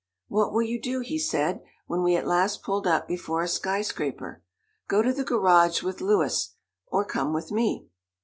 "What will you do?" he said when we at last pulled up before a sky scraper. "Go to the garage with Louis, or come with me?"